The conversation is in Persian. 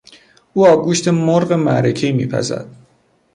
او آبگوشت مرغ معرکهای میپزد.